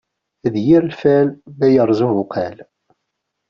D yir lfal, ma yerreẓ ubuqal.